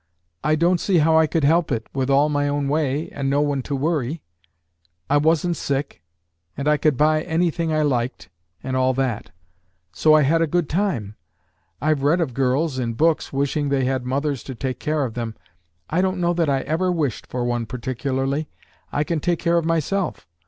I don't see how I could help it with all my own way, and no one to worry. I wasn't sick, and I could buy any thing I liked, and all that: so I had a good time. I've read of girls, in books, wishing they had mothers to take care of them. I don't know that I ever wished for one particularly. I can take care of myself.